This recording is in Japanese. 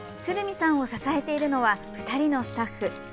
さんを支えているのは２人のスタッフ。